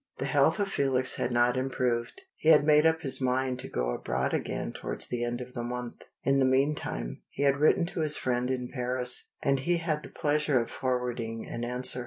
The health of Felix had not improved. He had made up his mind to go abroad again towards the end of the month. In the meantime, he had written to his friend in Paris, and he had the pleasure of forwarding an answer.